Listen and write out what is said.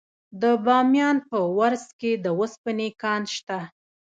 د بامیان په ورس کې د وسپنې کان شته.